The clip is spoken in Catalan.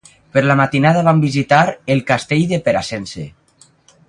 Per la matinada vam visitar el castell de Peracense.